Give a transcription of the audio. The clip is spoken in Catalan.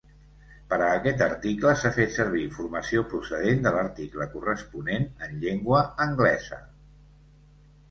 Per a aquest article s'ha fet servir informació procedent de l'article corresponent en llengua anglesa.